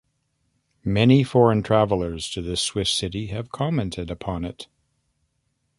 Many foreign travellers to this Swiss city have commented upon it.